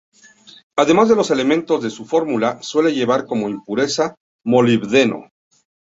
Además de los elementos de su fórmula, suele llevar como impureza molibdeno.